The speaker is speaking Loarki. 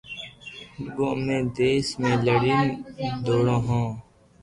روگو امي ڊپس ۾ لڙين ئوري ھون